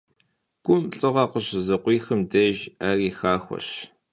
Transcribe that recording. Гум лӀыгъэ къыщызыкъуихым деж, Ӏэри хахуэщ.